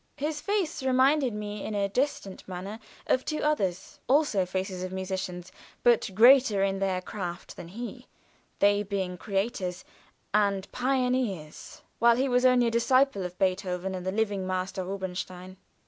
His face reminded me in a distant manner of two others, also faces of musicians, but greater in their craft than he, they being creators and pioneers, while he was only a disciple, of Beethoven and of the living master, Rubinstein.